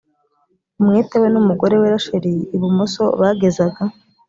umwete we n umugore we rachel ibumoso bagezaga